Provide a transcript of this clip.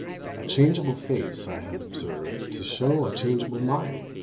A changeable face I have observed to show a changeable mind.